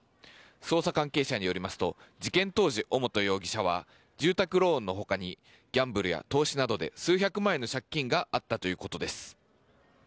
捜査関係者によりますと事件当時、尾本容疑者は住宅ローンの他にギャンブルや投資などで数百万円の借金があったということです。